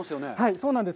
そうなんです。